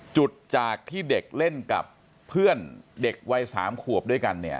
จุดจากที่เด็กเล่นกับเพื่อนเด็กวัย๓ขวบด้วยกันเนี่ย